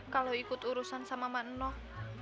kalau ikut urusan sama mak enok